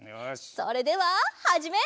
それでははじめい！